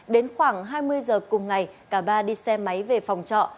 đến khoảng hai mươi giờ cùng ngày cả ba đi xe máy về phòng trọ